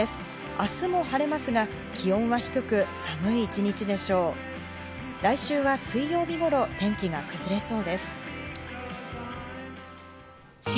明日も晴れますが、気温は低く、寒い一日でしょう。